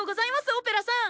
オペラさん！